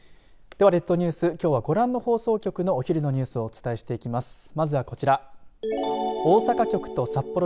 では、列島ニュースきょうは、ご覧の各放送局のお昼のニュースをお伝えしていきます。